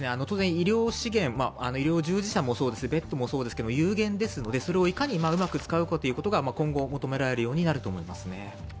医療資源医療従事者もそうですしベッドもそうですけど有限ですので、いかにうまく使うかというのが今後求められるようになると思います。